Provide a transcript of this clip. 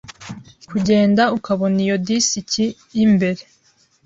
kugenda ukabona iyo disiki yimbere.